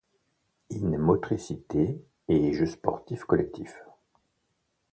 In Motricité et jeux sportifs collectifs.